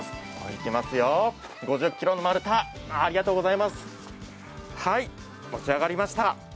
いきますよ、５０ｋｇの丸太、持ち上がりました。